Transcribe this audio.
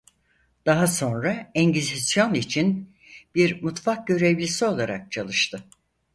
Daha sonra Engizisyon için bir mutfak görevlisi olarak çalıştı.